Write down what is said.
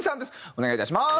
お願いいたします。